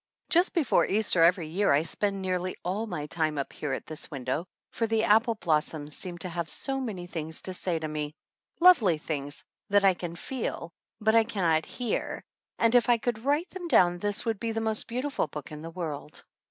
Just before Easter every year I spend nearly all my time up here at this window, for the apple blossoms seem to have so many things to say to me ; lovely things, that I can feel, but 3 THE ANNALS OF ANN can not hear, and if I could write them down this would be the most beautiful book in the world.